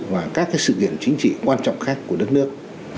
và các sự kiện chính trị quan trọng khác của đất nước